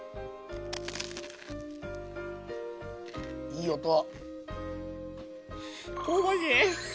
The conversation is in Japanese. いい音。